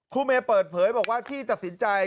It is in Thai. เมย์เปิดเผยบอกว่าที่ตัดสินใจ